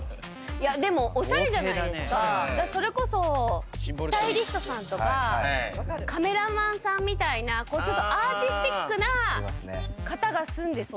でもおしゃれじゃないですか、それこそスタイリストさんとか、カメラマンさんみたいなアーティスティックな方が住んでいそう。